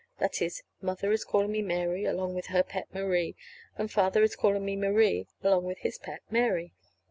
That is, Mother is calling me Mary along with her pet Marie, and Father is calling me Marie along with his pet Mary.